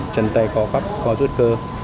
chân tay co rút cơ